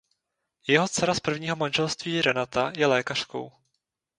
Jeho dcera z prvního manželství Renata je lékařkou.